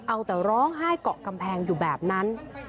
เอาแต่ร้องไห้เกาะกำแพงอยู่แบบนั้น